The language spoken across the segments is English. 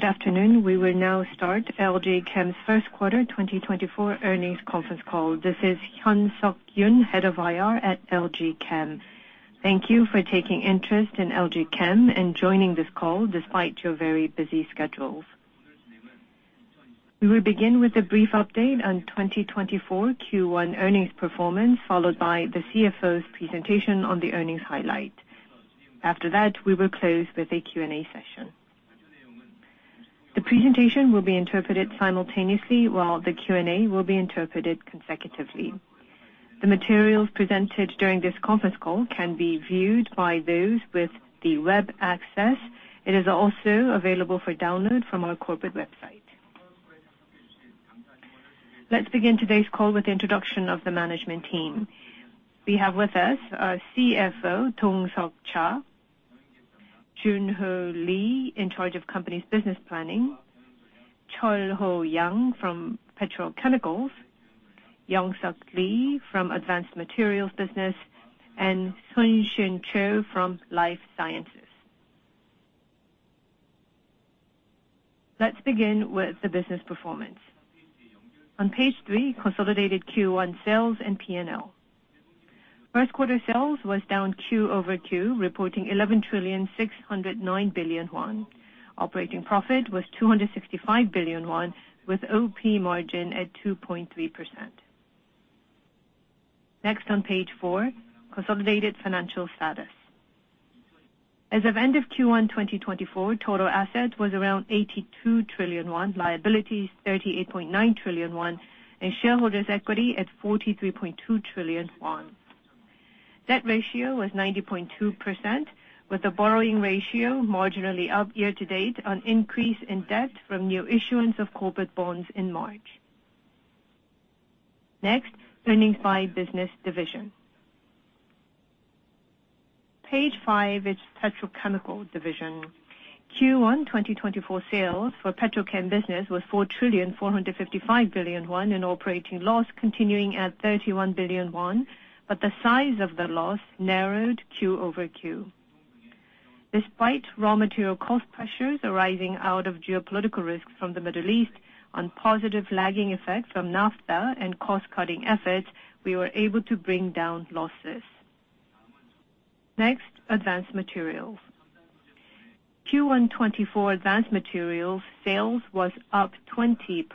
Good afternoon. We will now start LG Chem's first quarter 2024 Earnings Conference Call. This is Hyun-Seok Yoon, head of IR at LG Chem. Thank you for taking interest in LG Chem and joining this call despite your very busy schedules. We will begin with a brief update on 2024 Q1 earnings performance, followed by the CFO's presentation on the earnings highlight. After that, we will close with a Q&A session. The presentation will be interpreted simultaneously, while the Q&A will be interpreted consecutively. The materials presented during this conference call can be viewed by those with the web access. It is also available for download from our corporate website. Let's begin today's call with the introduction of the management team. We have with us CFO Dong Seok Cha, Jun Ho Lee, in charge of company's business planning, Ho Young Choi from Petrochemicals, Young Seok Lee from Advanced Materials business, and Seon Shin Cho from Life Sciences. Let's begin with the business performance. On page three, consolidated Q1 sales and P&L. First quarter sales was down quarter-over-quarter, reporting 11,609 billion won. Operating profit was 265 billion won, with OP margin at 2.3%. Next, on page four, consolidated financial status. As of end of Q1 2024, total assets was around 82 trillion won, liabilities 38.9 trillion won, and shareholders' equity at 43.2 trillion won. Debt ratio was 90.2%, with the borrowing ratio marginally up year to date on increase in debt from new issuance of corporate bonds in March. Next, earnings by business division. Page five is Petrochemical division. Q1 2024 sales for Petrochemicals business was 4,455 billion won, operating loss continuing at 31 billion won, but the size of the loss narrowed Q-over-Q. Despite raw material cost pressures arising out of geopolitical risks from the Middle East, and on positive lagging effect from NCC and cost-cutting efforts, we were able to bring down losses. Next, Advanced Materials. Q1 2024 Advanced Materials sales was up 20%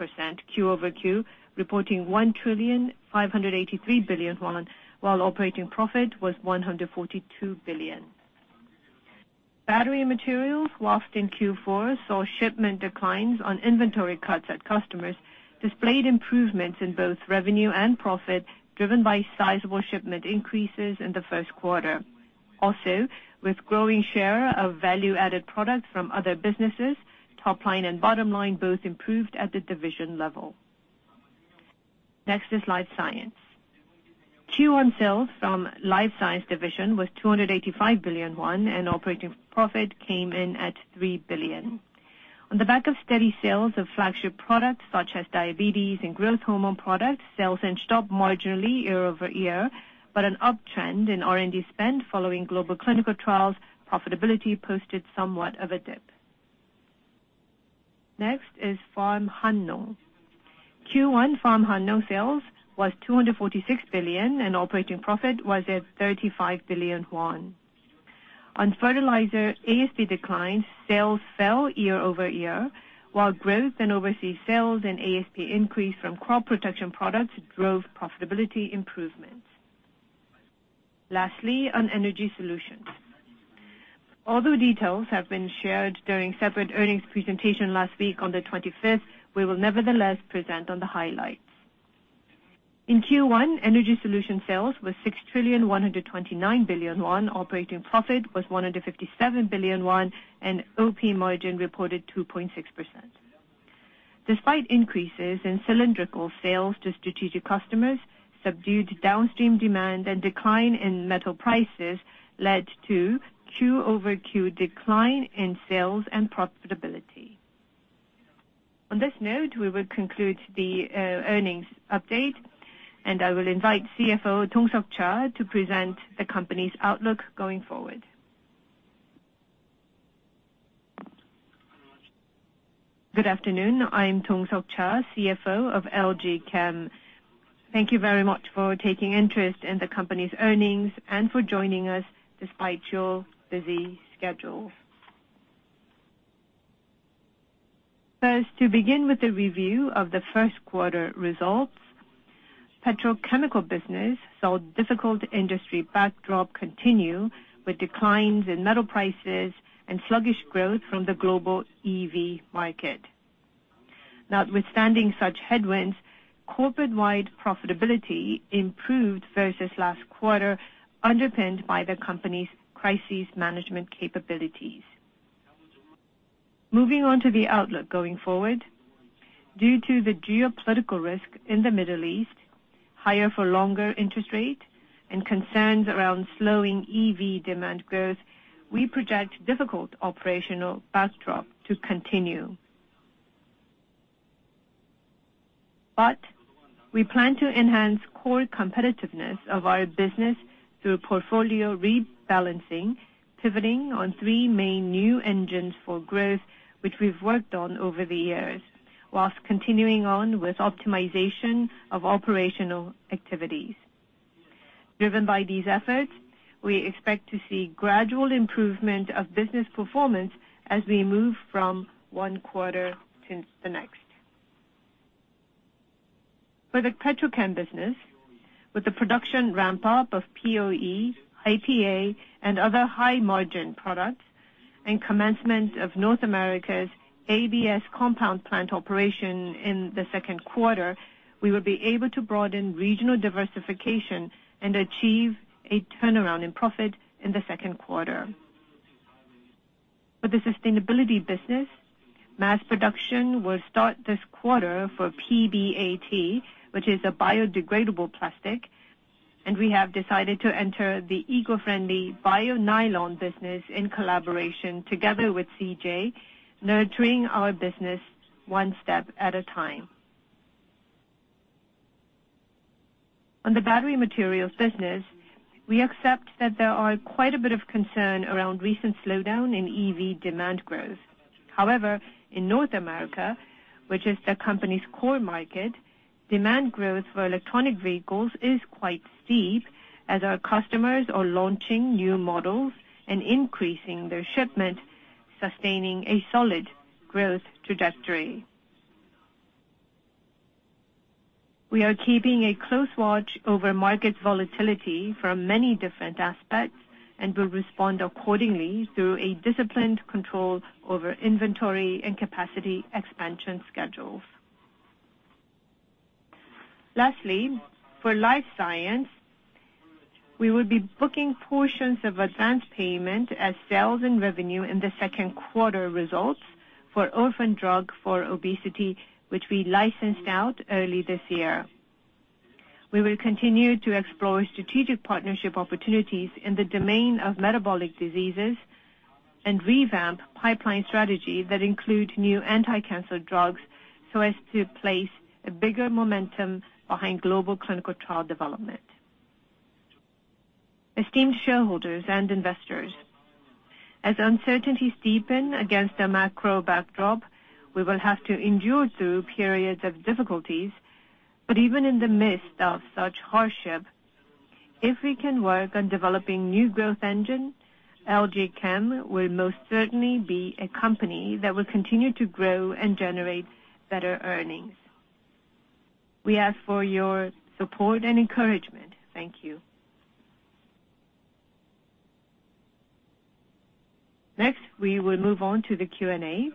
Q-over-Q, reporting 1,583 billion won, while operating profit was 142 billion. Battery materials, whilst in Q4 saw shipment declines on inventory cuts at customers, displayed improvements in both revenue and profit driven by sizable shipment increases in the first quarter. Also, with growing share of value-added products from other businesses, top line and bottom line both improved at the division level. Next is life sciences. Q1 sales from Life Sciences division was 285 billion won, and operating profit came in at 3 billion. On the back of steady sales of flagship products such as diabetes and growth hormone products, sales inched up marginally year-over-year, but an uptrend in R&D spend following global clinical trials, profitability posted somewhat of a dip. Next is FarmHannong. Q1 FarmHannong sales was 246 billion, and operating profit was at 35 billion won. On fertilizer ASP declines, sales fell year-over-year, while growth in overseas sales and ASP increase from crop protection products drove profitability improvements. Lastly, on Energy Solutions. Although details have been shared during separate earnings presentation last week on the 25th, we will nevertheless present the highlights. In Q1, Energy solution sales was 6,129 billion won, operating profit was 157 billion won, and OP margin reported 2.6%. Despite increases in cylindrical sales to strategic customers, subdued downstream demand and decline in metal prices led to quarter-over-quarter decline in sales and profitability. On this note, we will conclude the earnings update, and I will invite CFO Dong Seok Cha to present the company's outlook going forward. Good afternoon. I'm Dong Seok Cha, CFO of LG Chem. Thank you very much for taking interest in the company's earnings and for joining us despite your busy schedule. First, to begin with the review of the first quarter results, petrochemical business saw difficult industry backdrop continue with declines in metal prices and sluggish growth from the global EV market. Notwithstanding such headwinds, corporate-wide profitability improved versus last quarter, underpinned by the company's crisis management capabilities. Moving on to the outlook going forward. Due to the geopolitical risk in the Middle East, higher-for-longer interest rate, and concerns around slowing EV demand growth, we project difficult operational backdrop to continue. But we plan to enhance core competitiveness of our business through portfolio rebalancing, pivoting on three main new engines for growth, which we've worked on over the years, whilst continuing on with optimization of operational activities. Driven by these efforts, we expect to see gradual improvement of business performance as we move from one quarter to the next. For the petrochem business, with the production ramp-up of POE, IPA, and other high-margin products, and commencement of North America's ABS compound plant operation in the second quarter, we will be able to broaden regional diversification and achieve a turnaround in profit in the second quarter. For the sustainability business, mass production will start this quarter for PBAT, which is a biodegradable plastic, and we have decided to enter the eco-friendly bio-nylon business in collaboration together with CJ, nurturing our business one step at a time. On the battery materials business, we accept that there are quite a bit of concern around recent slowdown in EV demand growth. However, in North America, which is the company's core market, demand growth for electric vehicles is quite steep as our customers are launching new models and increasing their shipment, sustaining a solid growth trajectory. We are keeping a close watch over market volatility from many different aspects and will respond accordingly through a disciplined control over inventory and capacity expansion schedules. Lastly, for life science, we will be booking portions of advance payment as sales and revenue in the second quarter results for orphan drug for obesity, which we licensed out early this year. We will continue to explore strategic partnership opportunities in the domain of metabolic diseases and revamp pipeline strategy that include new anti-cancer drugs so as to place a bigger momentum behind global clinical trial development. Esteemed shareholders and investors, as uncertainty steepens against a macro backdrop, we will have to endure through periods of difficulties. But even in the midst of such hardship, if we can work on developing new growth engine, LG Chem will most certainly be a company that will continue to grow and generate better earnings. We ask for your support and encouragement. Thank you. Next, we will move on to the Q&A.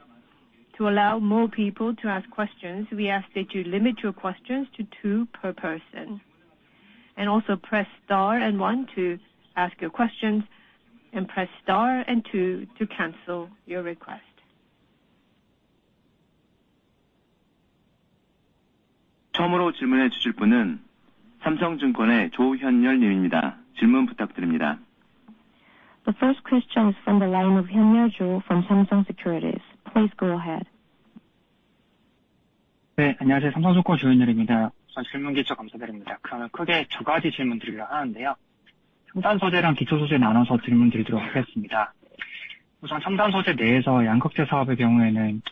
To allow more people to ask questions, we ask that you limit your questions to two per person and also press star and one to ask your questions, and press star and two to cancel your request. Hyunryul Cho from Samsung Securities. Please ask your question. The first question is from the line of Hyunryul Cho from Samsung Securities. Please go ahead. 네, 안녕하세요. 삼성증권 조현률입니다. 우선 질문 주셔서 감사드립니다. 그러면 크게 두 가지 질문 드리려고 하는데요. 첨단 소재랑 기초 소재 나눠서 질문 드리도록 하겠습니다. 우선 첨단 소재 내에서 양극재 사업의 경우에는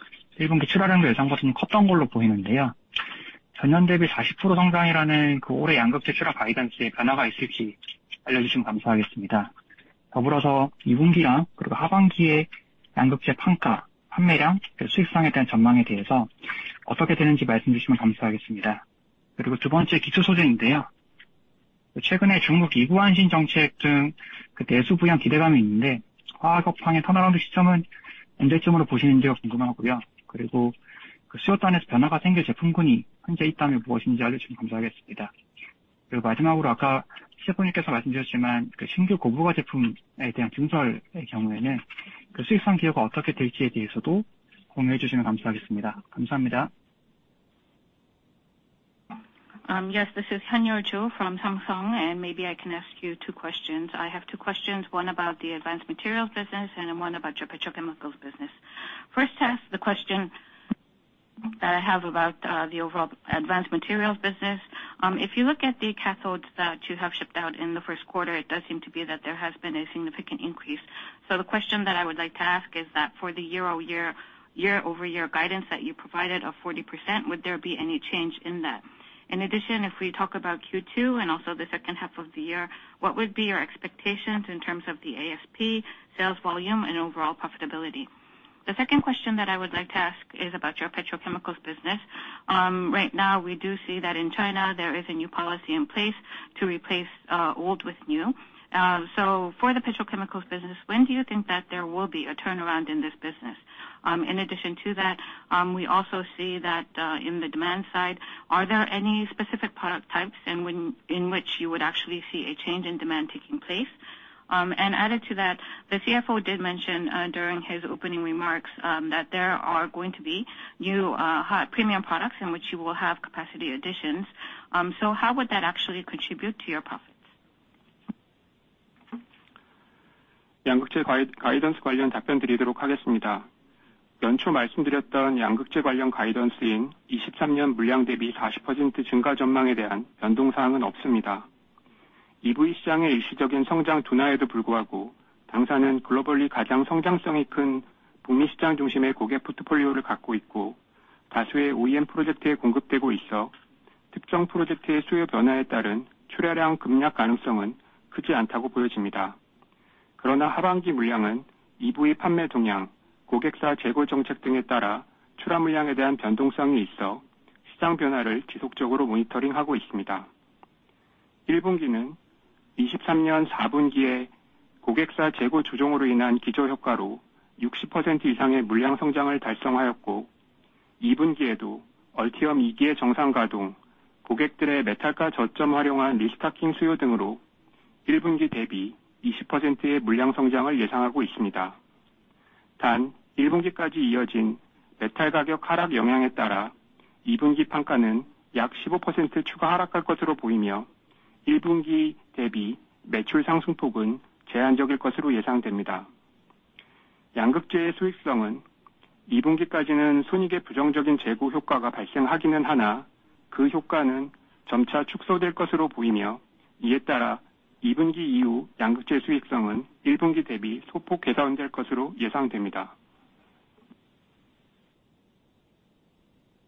1분기 출하량도 예상보다는 컸던 걸로 보이는데요. 전년 대비 40% 성장이라는 올해 양극재 출하 가이던스에 변화가 있을지 알려주시면 감사하겠습니다. 더불어서 2분기랑 그리고 하반기에 양극재 판가, 판매량, 그리고 수익성에 대한 전망에 대해서 어떻게 되는지 말씀 주시면 감사하겠습니다. 그리고 두 번째 기초 소재인데요. 최근에 중국 이구환신 정책 등 내수 부양 기대감이 있는데, 화학업황의 턴어라운드 시점은 언제쯤으로 보시는지가 궁금하고요. 그리고 수요단에서 변화가 생길 제품군이 현재 있다면 무엇인지 알려주시면 감사하겠습니다. 그리고 마지막으로 아까 CFO님께서 말씀 주셨지만 신규 고부가 제품에 대한 증설의 경우에는 수익성 기여가 어떻게 될지에 대해서도 공유해 주시면 감사하겠습니다. 감사합니다. Yes, this is Hyunryul Cho from Samsung, and maybe I can ask you two questions. I have two questions, one about the advanced materials business and one about your petrochemicals business. First, the question that I have about the overall advanced materials business. If you look at the cathodes that you have shipped out in the first quarter, it does seem to be that there has been a significant increase. So the question that I would like to ask is that for the year-over-year guidance that you provided of 40%, would there be any change in that? In addition, if we talk about Q2 and also the second half of the year, what would be your expectations in terms of the ASP, sales volume, and overall profitability? The second question that I would like to ask is about your petrochemicals business. Right now, we do see that in China there is a new policy in place to replace old with new. So for the petrochemicals business, when do you think that there will be a turnaround in this business? In addition to that, we also see that in the demand side, are there any specific product types in which you would actually see a change in demand taking place? And added to that, the CFO did mention during his opening remarks that there are going to be new premium products in which you will have capacity additions. So how would that actually contribute to your profits? 양극재 가이던스 관련 답변 드리도록 하겠습니다. 연초 말씀드렸던 양극재 관련 가이던스인 2023년 물량 대비 40% 증가 전망에 대한 변동사항은 없습니다. EV 시장의 일시적인 성장 둔화에도 불구하고 당사는 글로벌리 가장 성장성이 큰 북미 시장 중심의 고객 포트폴리오를 갖고 있고, 다수의 OEM 프로젝트에 공급되고 있어 특정 프로젝트의 수요 변화에 따른 출하량 급락 가능성은 크지 않다고 보여집니다. 그러나 하반기 물량은 EV 판매 동향, 고객사 재고 정책 등에 따라 출하 물량에 대한 변동성이 있어 시장 변화를 지속적으로 모니터링하고 있습니다. 1분기는 2023년 4분기에 고객사 재고 조정으로 인한 기저 효과로 60% 이상의 물량 성장을 달성하였고, 2분기에도 Ultium 2기의 정상 가동, 고객들의 메탈가 저점 활용한 리스타킹 수요 등으로 1분기 대비 20%의 물량 성장을 예상하고 있습니다. 단, 1분기까지 이어진 메탈 가격 하락 영향에 따라 2분기 판가는 약 15% 추가 하락할 것으로 보이며, 1분기 대비 매출 상승폭은 제한적일 것으로 예상됩니다. 양극재의 수익성은 2분기까지는 손익에 부정적인 재고 효과가 발생하기는 하나, 그 효과는 점차 축소될 것으로 보이며, 이에 따라 2분기 이후 양극재 수익성은 1분기 대비 소폭 개선될 것으로 예상됩니다.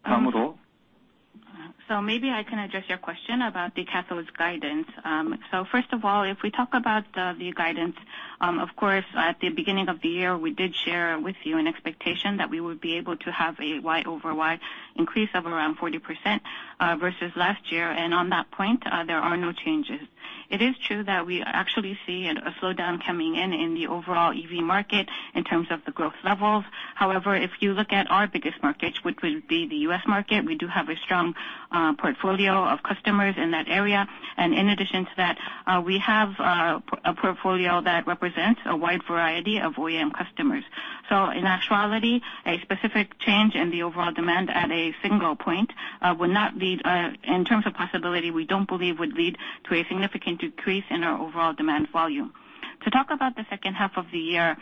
다음으로. So maybe I can address your question about the cathodes guidance. So first of all, if we talk about the guidance, of course, at the beginning of the year, we did share with you an expectation that we would be able to have a year-over-year increase of around 40% versus last year. And on that point, there are no changes. It is true that we actually see a slowdown coming in in the overall EV market in terms of the growth levels. However, if you look at our biggest market, which would be the U.S. market, we do have a strong portfolio of customers in that area. And in addition to that, we have a portfolio that represents a wide variety of OEM customers. So in actuality, a specific change in the overall demand at a single point would not lead in terms of possibility, we don't believe would lead to a significant decrease in our overall demand volume. To talk about the second half of the year,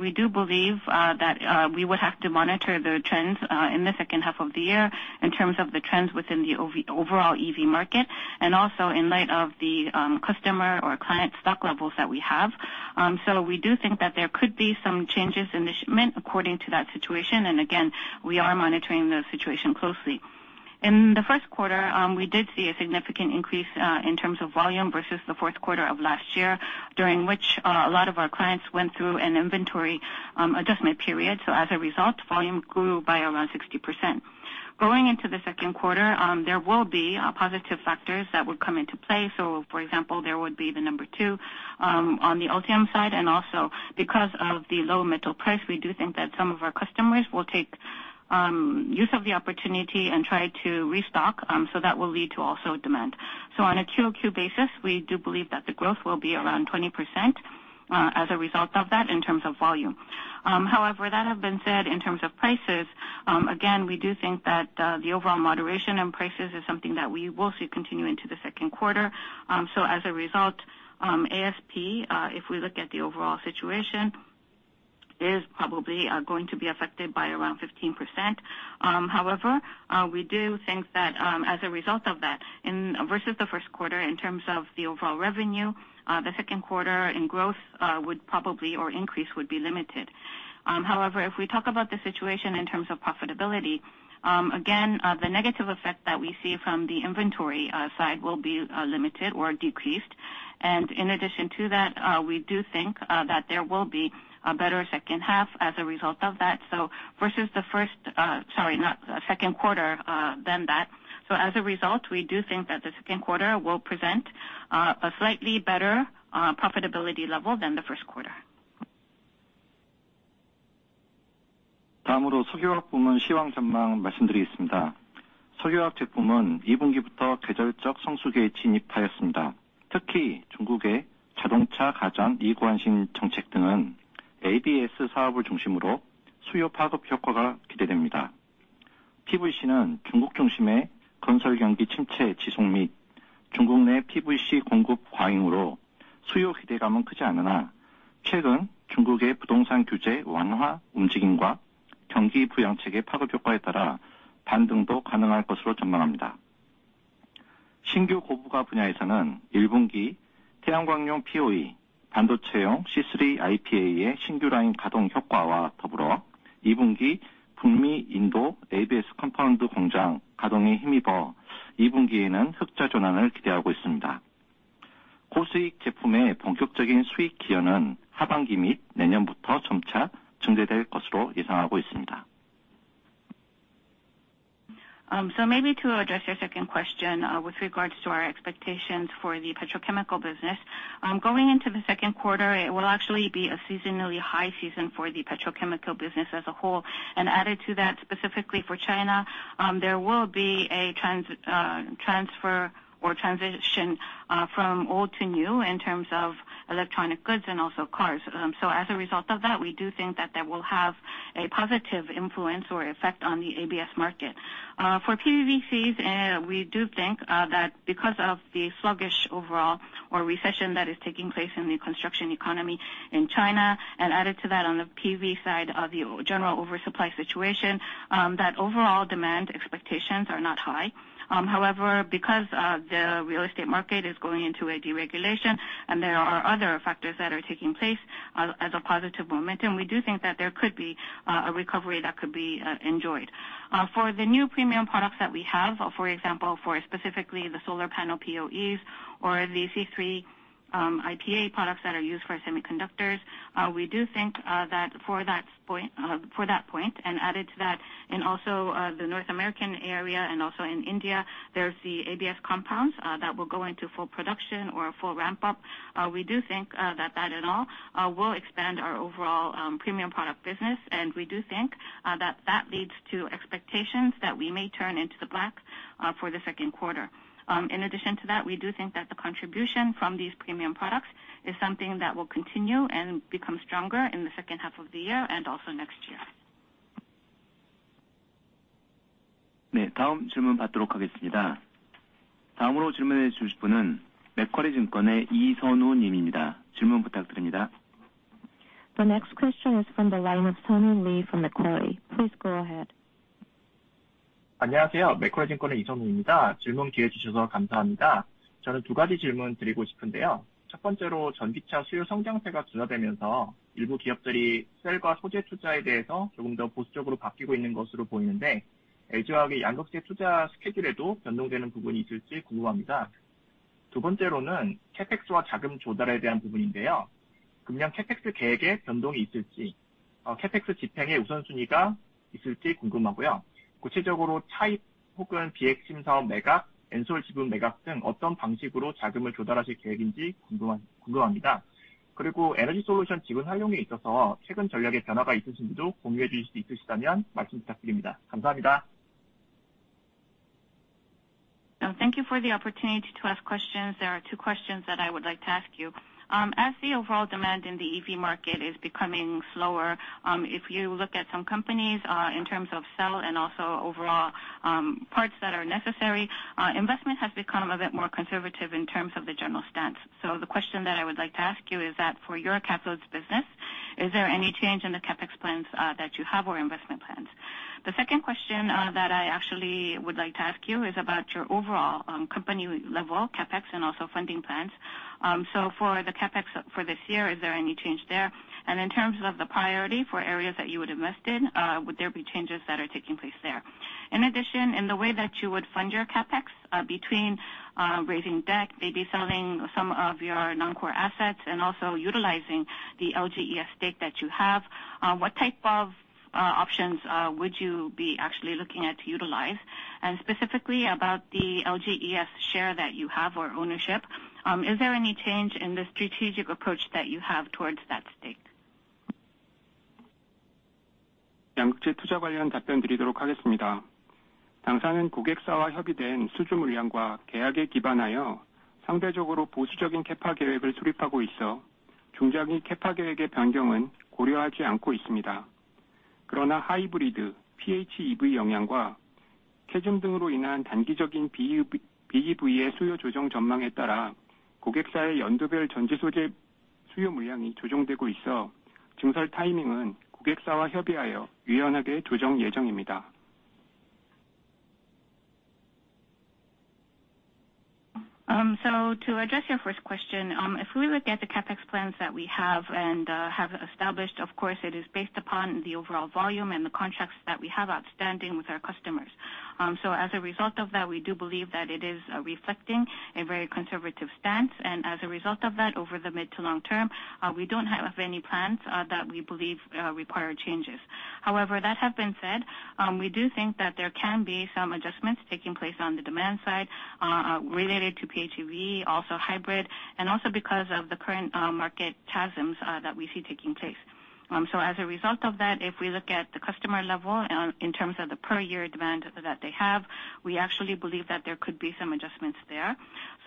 we do believe that we would have to monitor the trends in the second half of the year in terms of the trends within the overall EV market and also in light of the customer or client stock levels that we have. So we do think that there could be some changes in the shipment according to that situation. And again, we are monitoring the situation closely. In the first quarter, we did see a significant increase in terms of volume versus the fourth quarter of last year, during which a lot of our clients went through an inventory adjustment period. So as a result, volume grew by around 60%. Going into the second quarter, there will be positive factors that would come into play. So for example, there would be the number two on the Ultium side. And also because of the low metal price, we do think that some of our customers will take use of the opportunity and try to restock. So that will lead to also demand. So on a Q-on-Q basis, we do believe that the growth will be around 20% as a result of that in terms of volume. However, that have been said in terms of prices, again, we do think that the overall moderation in prices is something that we will see continue into the second quarter. So as a result, ASP, if we look at the overall situation, is probably going to be affected by around 15%. However, we do think that as a result of that versus the first quarter, in terms of the overall revenue, the second quarter in growth would probably or increase would be limited. However, if we talk about the situation in terms of profitability, again, the negative effect that we see from the inventory side will be limited or decreased. And in addition to that, we do think that there will be a better second half as a result of that. So versus the first sorry, not second quarter than that. So as a result, we do think that the second quarter will present a slightly better profitability level than the first quarter. 다음으로 석유화학 부문 시황 전망 말씀드리겠습니다. 석유화학 제품은 2분기부터 계절적 성수기에 진입하였습니다. 특히 중국의 자동차, 가전, 2구 안신 정책 등은 ABS 사업을 중심으로 수요 파급 효과가 기대됩니다. PVC는 중국 중심의 건설 경기 침체 지속 및 중국 내 PVC 공급 과잉으로 수요 기대감은 크지 않으나 최근 중국의 부동산 규제 완화 움직임과 경기 부양책의 파급 효과에 따라 반등도 가능할 것으로 전망합니다. 신규 고부가 분야에서는 1분기 태양광용 POE, 반도체용 C3 IPA의 신규 라인 가동 효과와 더불어 2분기 북미, 인도 ABS 컴파운드 공장 가동에 힘입어 2분기에는 흑자 전환을 기대하고 있습니다. 고수익 제품의 본격적인 수익 기여는 하반기 및 내년부터 점차 증대될 것으로 예상하고 있습니다. So maybe to address your second question with regards to our expectations for the petrochemical business, going into the second quarter, it will actually be a seasonally high season for the petrochemical business as a whole. And added to that, specifically for China, there will be a transfer or transition from old to new in terms of electronic goods and also cars. So as a result of that, we do think that that will have a positive influence or effect on the ABS market. For PVCs, we do think that because of the sluggish overall or recession that is taking place in the construction economy in China, and added to that on the PV side of the general oversupply situation, that overall demand expectations are not high. However, because the real estate market is going into a deregulation and there are other factors that are taking place as a positive momentum, we do think that there could be a recovery that could be enjoyed. For the new premium products that we have, for example, for specifically the solar panel POEs or the C3 IPA products that are used for semiconductors, we do think that for that point and added to that, in also the North American area and also in India, there's the ABS compounds that will go into full production or full ramp-up. We do think that that and all will expand our overall premium product business. We do think that that leads to expectations that we may turn into the black for the second quarter. In addition to that, we do think that the contribution from these premium products is something that will continue and become stronger in the second half of the year and also next year. 네, 다음 질문 받도록 하겠습니다. As the overall demand in the EV market is becoming slower, if you look at some companies in terms of sales and also overall parts that are necessary, investment has become a bit more conservative in terms of the general stance. So the question that I would like to ask you is that for your cathodes business, is there any change in the CAPEX plans that you have or investment plans? The second question that I actually would like to ask you is about your overall company-level CAPEX and also funding plans. So for the CAPEX for this year, is there any change there? And in terms of the priority for areas that you would invest in, would there be changes that are taking place there? In addition, in the way that you would fund your CAPEX, between raising debt, maybe selling some of your non-core assets, and also utilizing the LGES stake that you have, what type of options would you be actually looking at to utilize? And specifically about the LGES share that you have or ownership, is there any change in the strategic approach that you have towards that stake? 양극재 투자 관련 답변 드리도록 하겠습니다. 당사는 고객사와 협의된 수주 물량과 계약에 기반하여 상대적으로 보수적인 CAPEX 계획을 수립하고 있어 중장기 CAPEX 계획의 변경은 고려하지 않고 있습니다. 그러나 하이브리드, PHEV 영향과 캐즘 등으로 인한 단기적인 BEV의 수요 조정 전망에 따라 고객사의 연도별 전지 소재 수요 물량이 조정되고 있어 증설 타이밍은 고객사와 협의하여 유연하게 조정 예정입니다. So to address your first question, if we look at the CAPEX plans that we have and have established, of course, it is based upon the overall volume and the contracts that we have outstanding with our customers. So as a result of that, we do believe that it is reflecting a very conservative stance. And as a result of that, over the mid to long term, we don't have any plans that we believe require changes. However, that have been said, we do think that there can be some adjustments taking place on the demand side related to PHEV, also hybrid, and also because of the current market chasms that we see taking place. So as a result of that, if we look at the customer level in terms of the per-year demand that they have, we actually believe that there could be some adjustments there.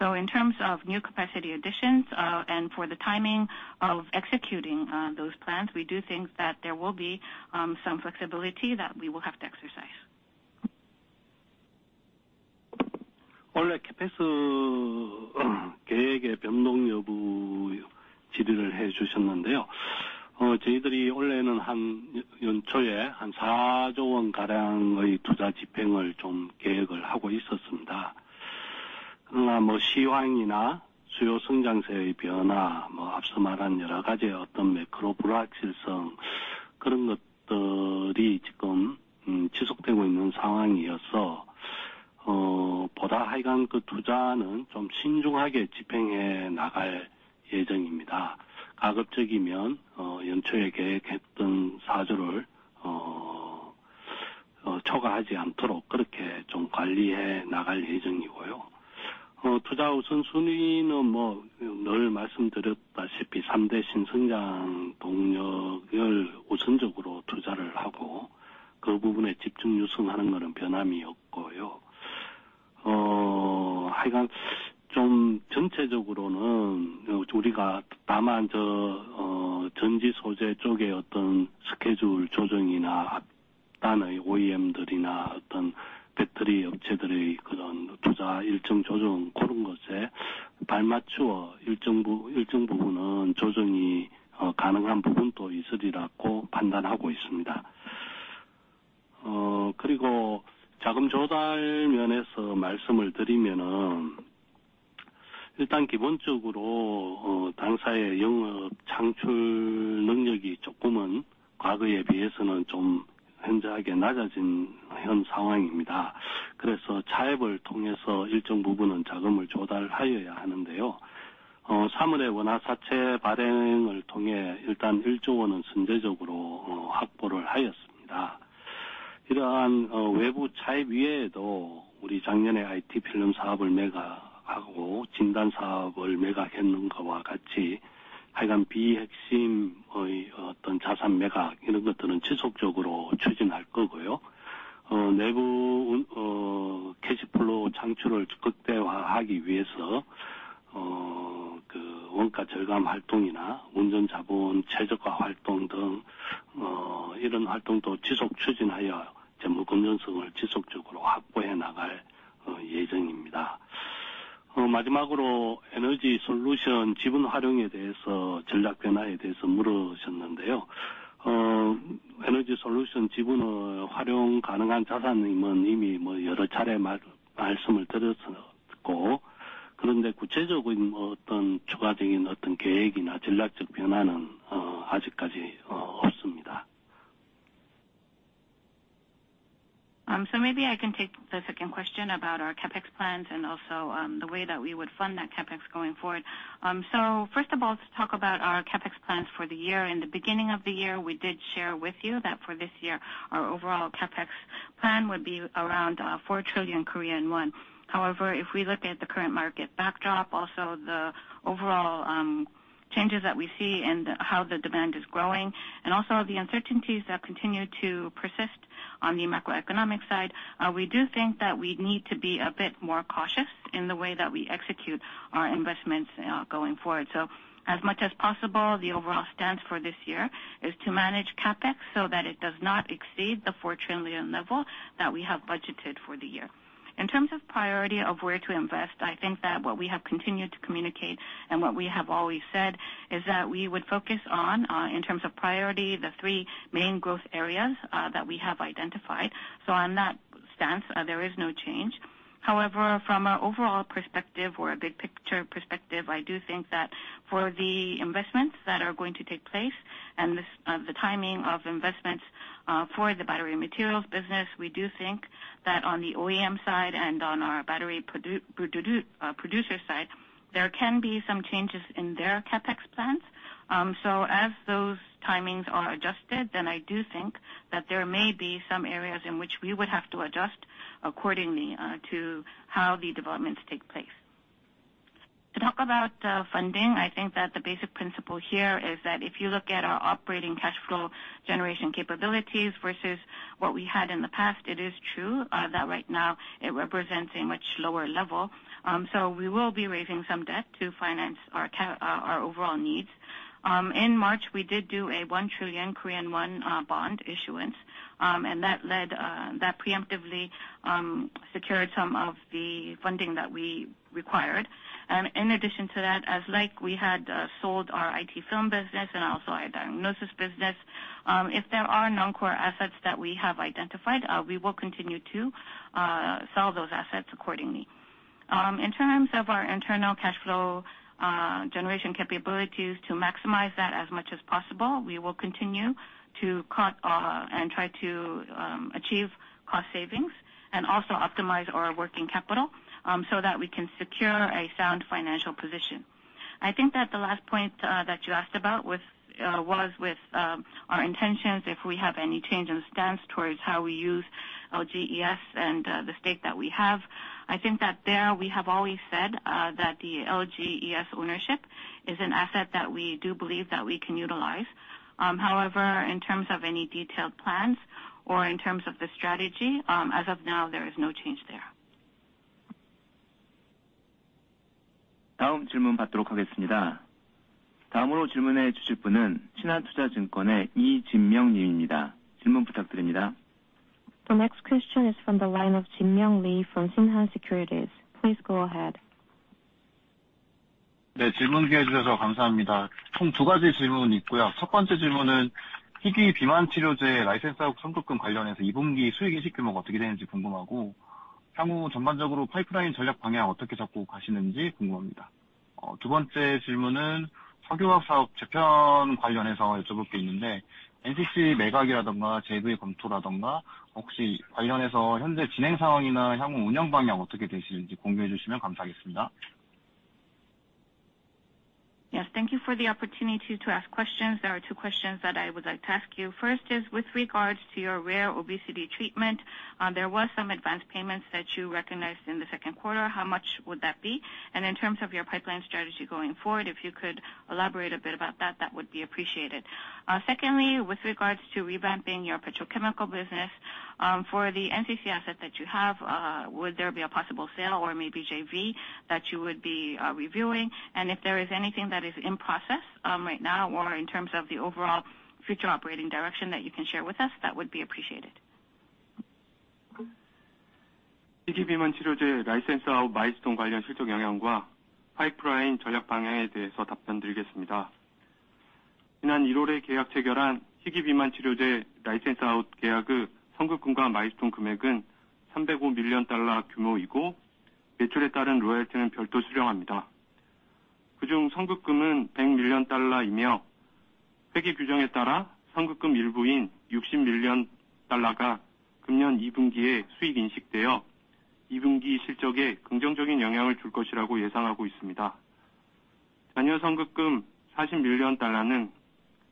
In terms of new capacity additions and for the timing of executing those plans, we do think that there will be some flexibility that we will have to exercise. 원래 CAPEX 계획의 변동 여부 질의를 해 주셨는데요. 저희들이 올해는 연초에 한 4조 원가량의 투자 집행을 좀 계획을 하고 있었습니다. 그러나 시황이나 수요 성장세의 변화, 앞서 말한 여러 가지 어떤 매크로 불확실성, 그런 것들이 지금 지속되고 있는 상황이어서 보다 하여간 그 투자는 좀 신중하게 집행해 나갈 예정입니다. 가급적이면 연초에 계획했던 4조를 초과하지 않도록 그렇게 좀 관리해 나갈 예정이고요. 투자 우선순위는 늘 말씀드렸다시피 3대 신성장 동력을 우선적으로 투자를 하고 그 부분에 집중하는 것은 변함이 없고요. 하여간 좀 전체적으로는 우리가 다만 전지 소재 쪽의 어떤 스케줄 조정이나 앞단의 OEM들이나 어떤 배터리 업체들의 그런 투자 일정 조정, 그런 것에 발맞추어 일정 부분은 조정이 가능한 부분도 있으리라고 판단하고 있습니다. 그리고 자금 조달 면에서 말씀을 드리면 일단 기본적으로 당사의 영업 창출 능력이 조금은 과거에 비해서는 좀 현저하게 낮아진 현 상황입니다. 그래서 차입을 통해서 일정 부분은 자금을 조달하여야 하는데요. 3월에 원화 사채 발행을 통해 일단 1조 원은 선제적으로 확보를 하였습니다. 이러한 외부 차입 이외에도 우리 작년에 IT 필름 사업을 매각하고 진단 사업을 매각한 것과 같이 하여간 비핵심의 어떤 자산 매각, 이런 것들은 지속적으로 추진할 거고요. 내부 캐시플로우 창출을 극대화하기 위해서 원가 절감 활동이나 운전 자본 최적화 활동 등 이런 활동도 지속 추진하여 재무 건전성을 지속적으로 확보해 나갈 예정입니다. 마지막으로 에너지 솔루션 지분 활용에 대해서 전략 변화에 대해서 물으셨는데요. 에너지 솔루션 지분을 활용 가능한 자산임은 이미 여러 차례 말씀을 드렸었고, 그런데 구체적인 어떤 추가적인 어떤 계획이나 전략적 변화는 아직까지 없습니다. So maybe I can take the second question about our CAPEX plans and also the way that we would fund that CAPEX going forward. So first of all, to talk about our CAPEX plans for the year, in the beginning of the year, we did share with you that for this year, our overall CAPEX plan would be around 4 trillion Korean won. However, if we look at the current market backdrop, also the overall changes that we see and how the demand is growing, and also the uncertainties that continue to persist on the macroeconomic side, we do think that we need to be a bit more cautious in the way that we execute our investments going forward. As much as possible, the overall stance for this year is to manage CAPEX so that it does not exceed the 4 trillion level that we have budgeted for the year. In terms of priority of where to invest, I think that what we have continued to communicate and what we have always said is that we would focus on, in terms of priority, the three main growth areas that we have identified. On that stance, there is no change. However, from an overall perspective or a big picture perspective, I do think that for the investments that are going to take place and the timing of investments for the battery materials business, we do think that on the OEM side and on our battery producer side, there can be some changes in their CAPEX plans. So as those timings are adjusted, then I do think that there may be some areas in which we would have to adjust accordingly to how the developments take place. To talk about funding, I think that the basic principle here is that if you look at our operating cash flow generation capabilities versus what we had in the past, it is true that right now it represents a much lower level. So we will be raising some debt to finance our overall needs. In March, we did do a 1 trillion Korean won bond issuance, and that preemptively secured some of the funding that we required. And in addition to that, as like we had sold our IT film business and also our diagnosis business, if there are non-core assets that we have identified, we will continue to sell those assets accordingly. In terms of our internal cash flow generation capabilities to maximize that as much as possible, we will continue to cut and try to achieve cost savings and also optimize our working capital so that we can secure a sound financial position. I think that the last point that you asked about was with our intentions, if we have any change in stance towards how we use LGES and the stake that we have. I think that there we have always said that the LGES ownership is an asset that we do believe that we can utilize. However, in terms of any detailed plans or in terms of the strategy, as of now, there is no change there. 다음 질문 받도록 하겠습니다. 다음으로 질문해 주실 분은 신한투자증권의 이진명 님입니다. 질문 부탁드립니다. The next question is from the line of Jinmyung Lee from Shinhan Securities. Please go ahead. 네, 질문 기회 주셔서 감사합니다. 총두 가지 질문 있고요. 첫 번째 질문은 희귀 비만 치료제 라이센스 사업 선급금 관련해서 2분기 수익 인식 규모가 어떻게 되는지 궁금하고, 향후 전반적으로 파이프라인 전략 방향 어떻게 잡고 가시는지 궁금합니다. 두 번째 질문은 석유화학 사업 재편 관련해서 여쭤볼 게 있는데, NCC 매각이라든가 재분배 검토라든가 혹시 관련해서 현재 진행 상황이나 향후 운영 방향 어떻게 되시는지 공유해 주시면 감사하겠습니다. Yes, thank you for the opportunity to ask questions. There are two questions that I would like to ask you. First is with regards to your rare obesity treatment, there were some advance payments that you recognized in the second quarter. How much would that be? And in terms of your pipeline strategy going forward, if you could elaborate a bit about that, that would be appreciated. Secondly, with regards to revamping your petrochemical business, for the NCC asset that you have, would there be a possible sale or maybe JV that you would be reviewing? And if there is anything that is in process right now or in terms of the overall future operating direction that you can share with us, that would be appreciated. 희귀 비만 치료제 라이센스 사업 마일스톤 관련 실적 영향과 파이프라인 전략 방향에 대해서 답변드리겠습니다. 지난 1월에 계약 체결한 희귀 비만 치료제 라이센스 사업 계약의 선급금과 마일스톤 금액은 $305 million 달러 규모이고, 매출에 따른 로열티는 별도 수령합니다. 그중 선급금은 $100 million 달러이며, 회계 규정에 따라 선급금 일부인 $60 million 달러가 금년 2분기에 수익 인식되어 2분기 실적에 긍정적인 영향을 줄 것이라고 예상하고 있습니다. 잔여 선급금 $40 million 달러는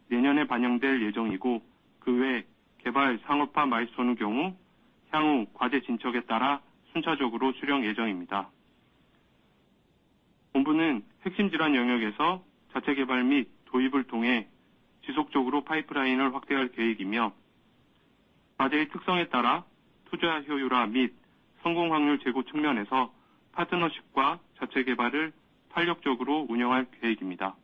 내년에 반영될 예정이고, 그외 개발 상업화 마일스톤의 경우 향후 과제 진척에 따라 순차적으로 수령 예정입니다. 본부는 핵심 질환 영역에서 자체 개발 및 도입을 통해 지속적으로 파이프라인을 확대할 계획이며, 과제의 특성에 따라 투자 효율화 및 성공 확률 제고 측면에서 파트너십과 자체 개발을 탄력적으로 운영할 계획입니다.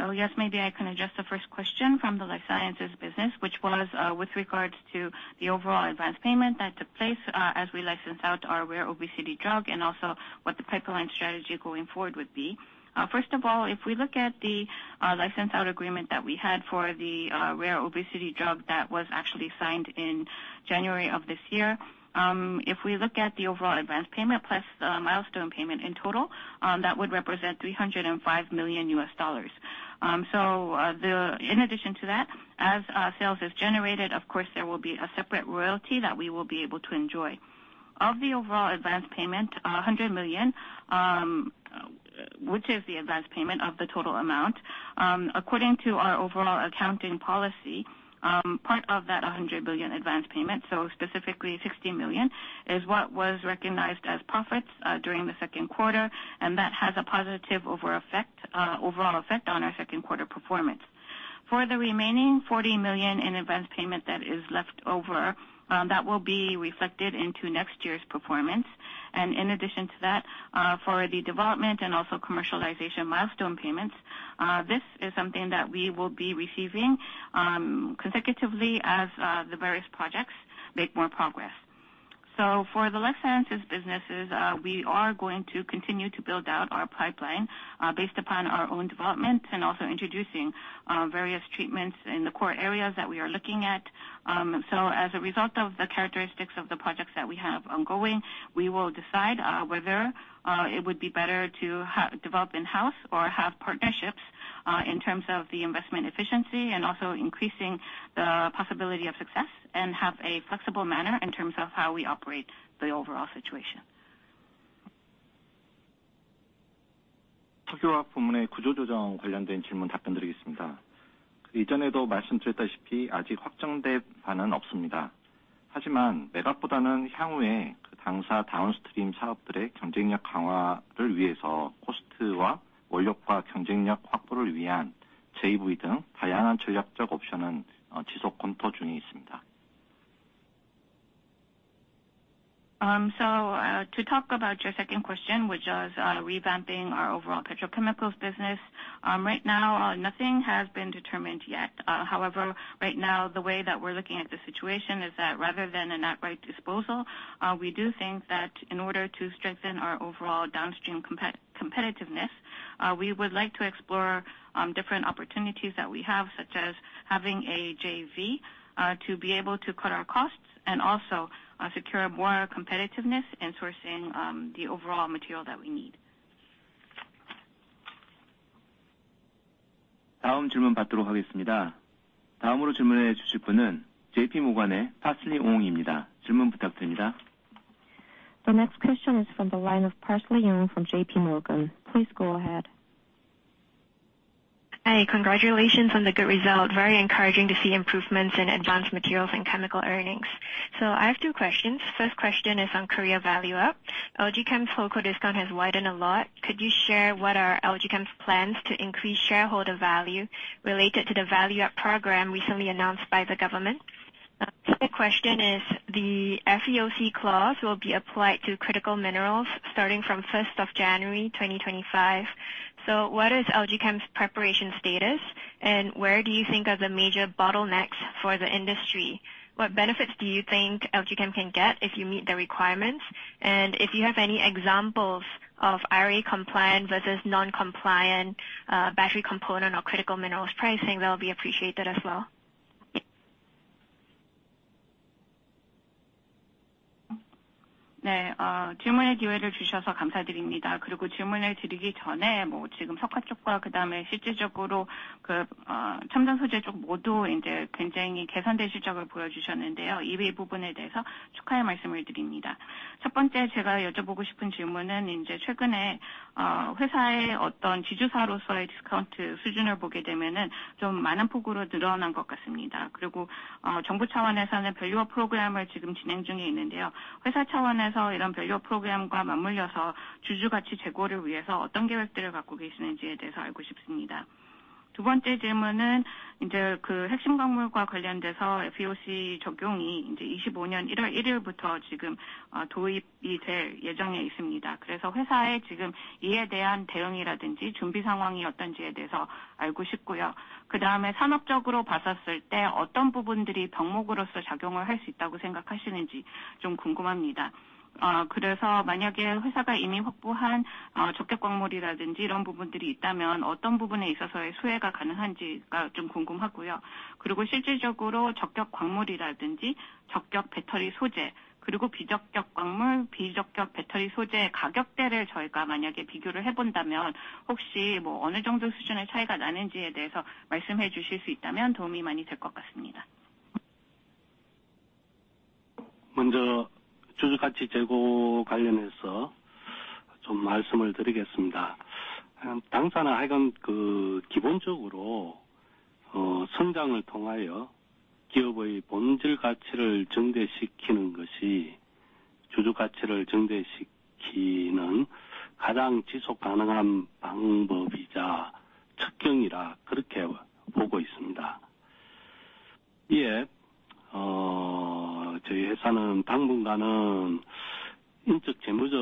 So yes, maybe I can address the first question from the life sciences business, which was with regards to the overall advance payment that took place as we licensed out our rare obesity drug and also what the pipeline strategy going forward would be. First of all, if we look at the license out agreement that we had for the rare obesity drug that was actually signed in January of this year, if we look at the overall advance payment plus the milestone payment in total, that would represent $305 million. So in addition to that, as sales are generated, of course, there will be a separate royalty that we will be able to enjoy. Of the overall advance payment, $100 million, which is the advance payment of the total amount, according to our overall accounting policy, part of that $100 million advance payment, so specifically $60 million, is what was recognized as profits during the second quarter, and that has a positive overall effect on our second quarter performance. For the remaining $40 million in advance payment that is left over, that will be reflected into next year's performance. In addition to that, for the development and also commercialization milestone payments, this is something that we will be receiving consecutively as the various projects make more progress. So for the life sciences businesses, we are going to continue to build out our pipeline based upon our own development and also introducing various treatments in the core areas that we are looking at. As a result of the characteristics of the projects that we have ongoing, we will decide whether it would be better to develop in-house or have partnerships in terms of the investment efficiency and also increasing the possibility of success and have a flexible manner in terms of how we operate the overall situation. 석유화학 부문의 구조 조정 관련된 질문 답변드리겠습니다. 이전에도 말씀드렸다시피 아직 확정된 바는 없습니다. 하지만 매각보다는 향후에 당사 다운스트림 사업들의 경쟁력 강화를 위해서 코스트와 원료가 경쟁력 확보를 위한 JV 등 다양한 전략적 옵션은 지속 검토 중에 있습니다. To talk about your second question, which was revamping our overall petrochemicals business, right now nothing has been determined yet. However, right now the way that we're looking at the situation is that rather than an outright disposal, we do think that in order to strengthen our overall downstream competitiveness, we would like to explore different opportunities that we have, such as having a JV to be able to cut our costs and also secure more competitiveness in sourcing the overall material that we need. 다음 질문 받도록 하겠습니다. 다음으로 질문해 주실 분은 JPMorgan의 Parsley Ong입니다. 질문 부탁드립니다. The next question is from the line of Parsley Ong from JPMorgan. Please go ahead. Hi, congratulations on the good result. Very encouraging to see improvements in advanced materials and chemical earnings. So I have two questions. First question is on Korea Value-up. LG Chem's Korea discount has widened a lot. Could you share what are LG Chem's plans to increase shareholder value related to the Value-up Program recently announced by the government? Second question is the FEOC clause will be applied to critical minerals starting from 01/01/2025. So what is LG Chem's preparation status, and where do you think are the major bottlenecks for the industry? What benefits do you think LG Chem can get if you meet the requirements? And if you have any examples of IRA compliant versus non-compliant battery component or critical minerals pricing, that will be appreciated as well. 네, 질문해 주셔서 감사드립니다. 그리고 질문을 드리기 전에 지금 석화 쪽과 그다음에 실질적으로 첨단 소재 쪽 모두 굉장히 개선된 실적을 보여주셨는데요. 이 부분에 대해서 축하의 말씀을 드립니다. 첫 번째 제가 여쭤보고 싶은 질문은 최근에 회사의 어떤 지주사로서의 디스카운트 수준을 보게 되면 좀 많은 폭으로 늘어난 것 같습니다. 그리고 정부 차원에서는 밸류업 프로그램을 지금 진행 중에 있는데요. 회사 차원에서 이런 밸류업 프로그램과 맞물려서 주주 가치 제고를 위해서 어떤 계획들을 갖고 계시는지에 대해서 알고 싶습니다. 두 번째 질문은 핵심 광물과 관련돼서 FEOC 적용이 2025년 1월 1일부터 지금 도입이 될 예정에 있습니다. 그래서 회사의 지금 이에 대한 대응이라든지 준비 상황이 어떤지에 대해서 알고 싶고요. 그다음에 산업적으로 봤었을 때 어떤 부분들이 병목으로서 작용을 할수 있다고 생각하시는지 좀 궁금합니다. 그래서 만약에 회사가 이미 확보한 적격 광물이라든지 이런 부분들이 있다면 어떤 부분에 있어서의 수혜가 가능한지가 좀 궁금하고요. 그리고 실질적으로 적격 광물이라든지 적격 배터리 소재, 그리고 비적격 광물, 비적격 배터리 소재의 가격대를 저희가 만약에 비교를 해본다면 혹시 어느 정도 수준의 차이가 나는지에 대해서 말씀해 주실 수 있다면 도움이 많이 될것 같습니다? 먼저 주주 가치 제고 관련해서 좀 말씀을 드리겠습니다. 당사는 어쨌든 기본적으로 성장을 통하여 기업의 본질 가치를 증대시키는 것이 주주 가치를 증대시키는 가장 지속 가능한 방법이자 지표라 그렇게 보고 있습니다. 이에 저희 회사는 당분간은 인적, 재무적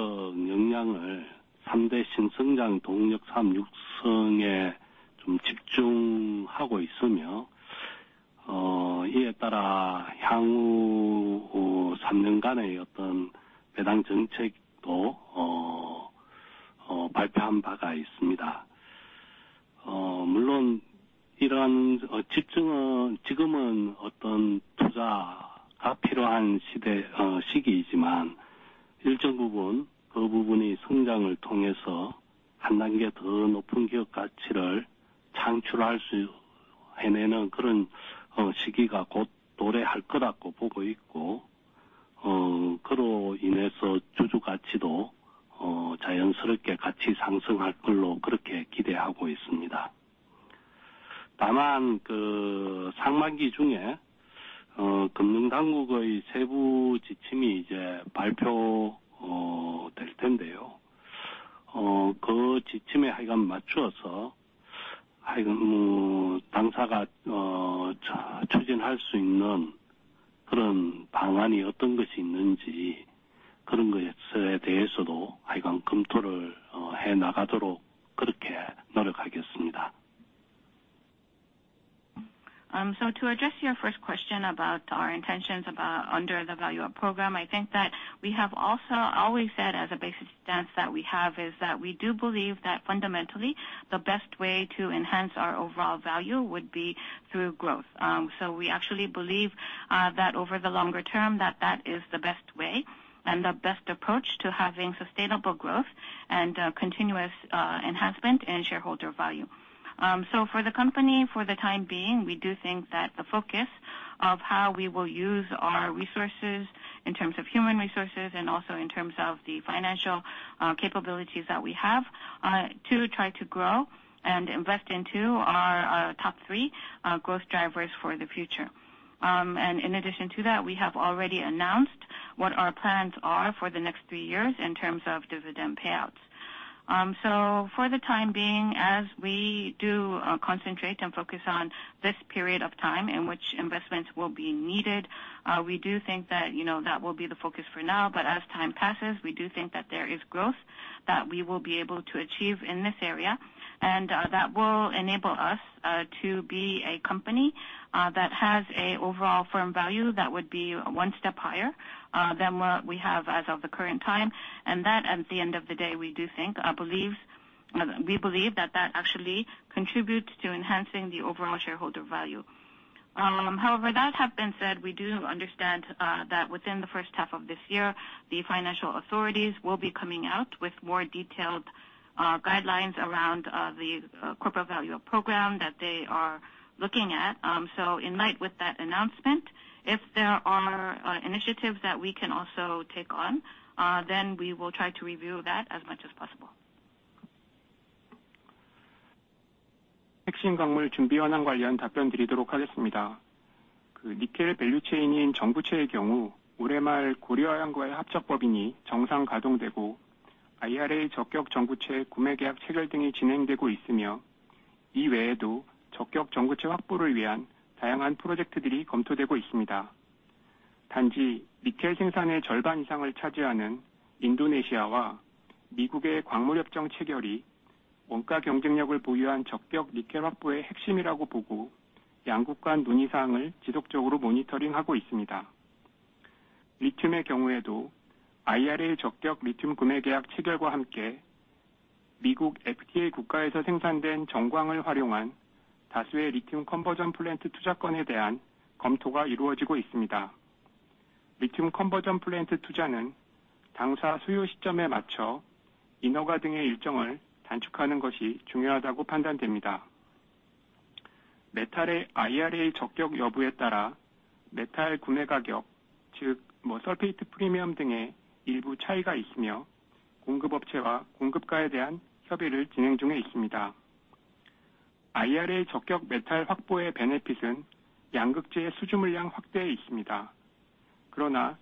역량을 3대 신성장 동력 육성에 집중하고 있으며, 이에 따라 향후 3년간의 어떤 배당 정책도 발표한 바가 있습니다. 물론 이러한 집중은 지금은 어떤 투자가 필요한 시기이지만 일정 부분 그 부분이 성장을 통해서 한 단계 더 높은 기업 가치를 창출할 수 해내는 그런 시기가 곧 도래할 거라고 보고 있고, 그로 인해서 주주 가치도 자연스럽게 같이 상승할 걸로 그렇게 기대하고 있습니다. 다만 상반기 중에 금융 당국의 세부 지침이 발표될 텐데요. 그 지침에 어쨌든 맞추어서 당사가 추진할 수 있는 그런 방안이 어떤 것이 있는지 그런 것에 대해서도 검토를 해나가도록 그렇게 노력하겠습니다. So to address your first question about our intentions under the value up program, I think that we have also always said as a basic stance that we have is that we do believe that fundamentally the best way to enhance our overall value would be through growth. So we actually believe that over the longer term that that is the best way and the best approach to having sustainable growth and continuous enhancement in shareholder value. So for the company, for the time being, we do think that the focus of how we will use our resources in terms of human resources and also in terms of the financial capabilities that we have to try to grow and invest into our top three growth drivers for the future. In addition to that, we have already announced what our plans are for the next three years in terms of dividend payouts. For the time being, as we do concentrate and focus on this period of time in which investments will be needed, we do think that that will be the focus for now. As time passes, we do think that there is growth that we will be able to achieve in this area, and that will enable us to be a company that has an overall firm value that would be one step higher than what we have as of the current time. That, at the end of the day, we do think, believe that that actually contributes to enhancing the overall shareholder value. However, that having been said, we do understand that within the first half of this year, the financial authorities will be coming out with more detailed guidelines around the corporate value up program that they are looking at. So in light with that announcement, if there are initiatives that we can also take on, then we will try to review that as much as possible. 핵심 광물 준비 현황 관련 답변드리도록 하겠습니다. 니켈 밸류 체인인 전구체의 경우 올해 말 고려은행과의 합작법인이 정상 가동되고, IRA 적격 전구체 구매 계약 체결 등이 진행되고 있으며, 이 외에도 적격 전구체 확보를 위한 다양한 프로젝트들이 검토되고 있습니다. 단지 니켈 생산의 절반 이상을 차지하는 인도네시아와 미국의 광물 협정 체결이 원가 경쟁력을 보유한 적격 니켈 확보의 핵심이라고 보고, 양국 간 논의 사항을 지속적으로 모니터링하고 있습니다. 리튬의 경우에도 IRA 적격 리튬 구매 계약 체결과 함께 미국 FTA 국가에서 생산된 정광을 활용한 다수의 리튬 컨버전 플랜트 투자 건에 대한 검토가 이루어지고 있습니다. 리튬 컨버전 플랜트 투자는 당사 수요 시점에 맞춰 인허가 등의 일정을 단축하는 것이 중요하다고 판단됩니다. 메탈의 IRA 적격 여부에 따라 메탈 구매 가격, 즉 설페이트 프리미엄 등에 일부 차이가 있으며, 공급업체와 공급가에 대한 협의를 진행 중에 있습니다. IRA 적격 메탈 확보의 베네핏은 양극재의 수주 물량 확대에 있습니다. 그러나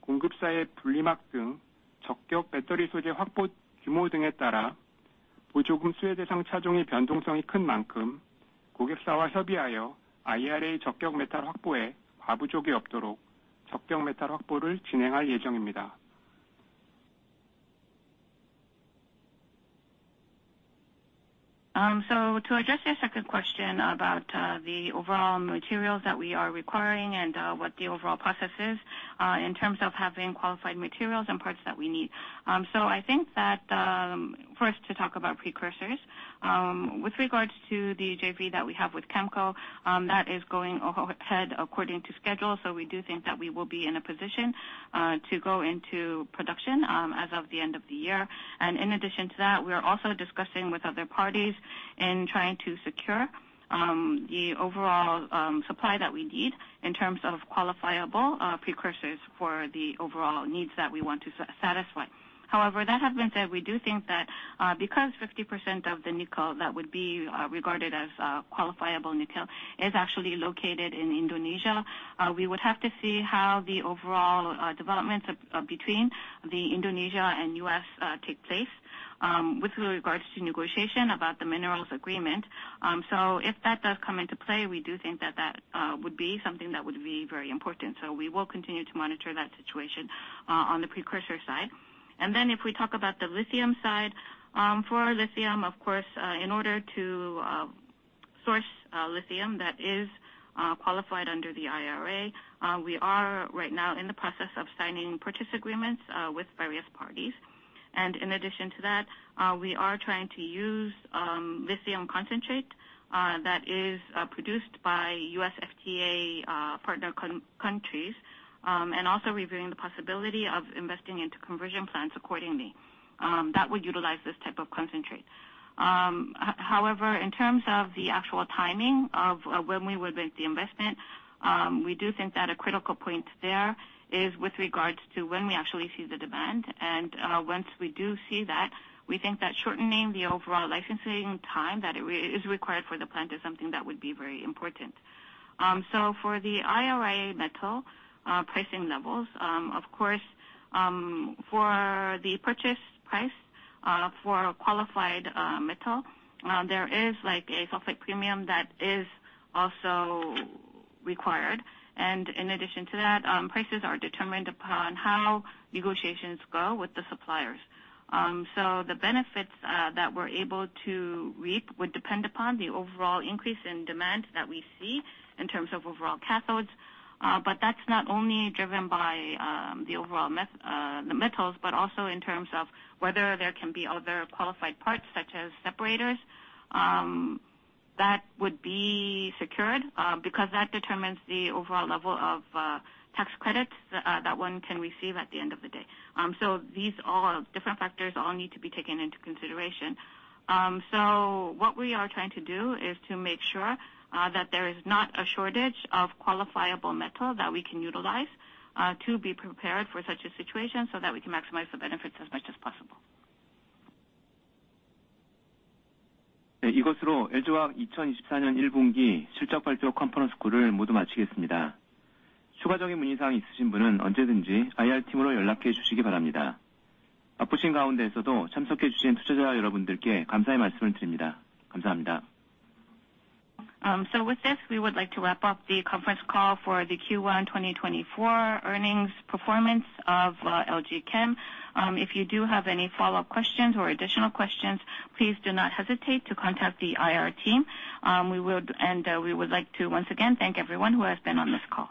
공급사의 분리막 등 적격 배터리 소재 확보 규모 등에 따라 보조금 수혜 대상 차종의 변동성이 큰 만큼 고객사와 협의하여 IRA 적격 메탈 확보에 과부족이 없도록 적격 메탈 확보를 진행할 예정입니다. To address your second question about the overall materials that we are requiring and what the overall process is in terms of having qualified materials and parts that we need. So I think that first to talk about precursors. With regards to the JV that we have with KEMCO, that is going ahead according to schedule. So we do think that we will be in a position to go into production as of the end of the year. And in addition to that, we are also discussing with other parties in trying to secure the overall supply that we need in terms of qualifiable precursors for the overall needs that we want to satisfy. However, that having been said, we do think that because 50% of the nickel that would be regarded as qualifiable nickel is actually located in Indonesia, we would have to see how the overall developments between Indonesia and U.S. take place with regards to negotiation about the minerals agreement. So if that does come into play, we do think that that would be something that would be very important. So we will continue to monitor that situation on the precursor side. And then if we talk about the lithium side, for lithium, of course, in order to source lithium that is qualified under the IRA, we are right now in the process of signing purchase agreements with various parties. In addition to that, we are trying to use lithium concentrate that is produced by U.S. FTA partner countries and also reviewing the possibility of investing into conversion plants accordingly that would utilize this type of concentrate. However, in terms of the actual timing of when we would make the investment, we do think that a critical point there is with regards to when we actually see the demand. And once we do see that, we think that shortening the overall licensing time that is required for the plant is something that would be very important. So for the IRA metal pricing levels, of course, for the purchase price for qualified metal, there is a sulfate premium that is also required. And in addition to that, prices are determined upon how negotiations go with the suppliers. So the benefits that we're able to reap would depend upon the overall increase in demand that we see in terms of overall cathodes. But that's not only driven by the overall metals but also in terms of whether there can be other qualified parts such as separators that would be secured because that determines the overall level of tax credits that one can receive at the end of the day. So these all different factors all need to be taken into consideration. So what we are trying to do is to make sure that there is not a shortage of qualifiable metal that we can utilize to be prepared for such a situation so that we can maximize the benefits as much as possible. 이것으로 LG화학 2024년 1분기 실적 발표 컨퍼런스콜을 모두 마치겠습니다. 추가적인 문의사항 있으신 분은 언제든지 IR 팀으로 연락해 주시기 바랍니다. 바쁘신 가운데에서도 참석해 주신 투자자 여러분들께 감사의 말씀을 드립니다. 감사합니다. With this, we would like to wrap up the conference call for the Q1 2024 earnings performance of LG Chem. If you do have any follow-up questions or additional questions, please do not hesitate to contact the IR team. We would like to once again thank everyone who has been on this call.